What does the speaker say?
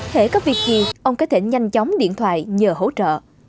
hãy có việc gì ông có thể nhanh chóng điện thoại nhờ hỗ trợ